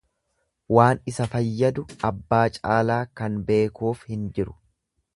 Waan isa fayyadu abbaa caalaa kan beekuuf hin jiru.